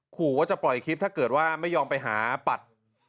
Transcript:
ขู่ว่าจะปล่อยคลิปถ้าเกิดว่าไม่ยอมไปหาปัด